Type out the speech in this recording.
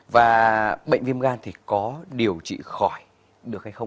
và bệnh viêm gan thì có điều trị khỏi được hay không